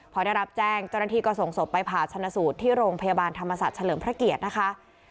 พอได้รับแจ้งเจ้าหน้าที่ก็ส่งศพไปผ่าชนะสูตรที่โรงพยาบาลธรรมศาสตร์เฉลิมพระเกียรตินะคะ